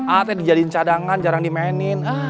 atau dijadiin cadangan jarang dimainin